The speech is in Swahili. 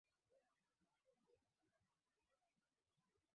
umri wa kupewa kiinua mgongo kutoka miaka sitini na mitano